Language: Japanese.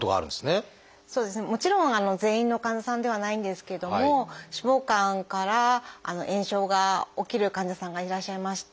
もちろん全員の患者さんではないんですけども脂肪肝から炎症が起きる患者さんがいらっしゃいまして。